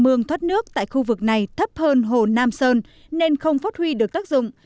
mương thoát nước tại khu vực này thấp hơn hồ nam sơn nên không phát huy được tác dụng